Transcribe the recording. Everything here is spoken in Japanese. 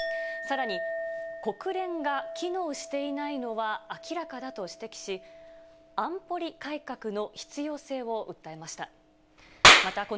さらに国連が機能していないのは明らかだと指摘し、安保理改革の必要性を訴えました。